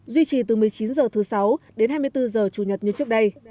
duy trì từ một mươi chín h thứ sáu đến hai mươi bốn h chủ nhật như trước đây